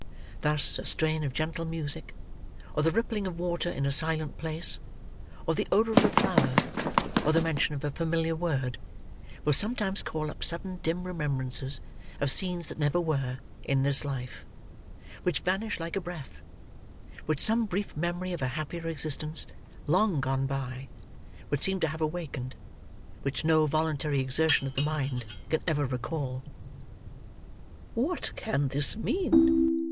Thus, a strain of gentle music, or the rippling of water in a silent place, or the odour of a flower, or the mention of a familiar word, will sometimes call up sudden dim remembrances of scenes that never were, in this life; which vanish like a breath; which some brief memory of a happier existence, long gone by, would seem to have awakened; which no voluntary exertion of the mind can ever recall. "What can this mean?"